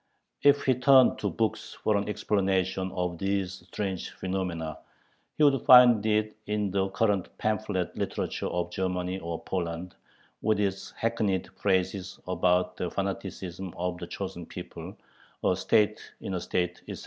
If he turned to books for an explanation of these strange phenomena, he would find it in the current pamphlet literature of Germany or Poland, with its hackneyed phrases about the fanaticism of the "chosen people," a "state in a state," etc.